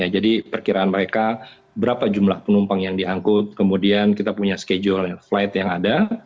jadi perkiraan mereka berapa jumlah penumpang yang diangkut kemudian kita punya schedule flight yang ada